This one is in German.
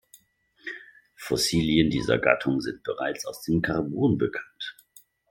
Fossilien dieser Gattung sind bereits aus dem Karbon bekannt.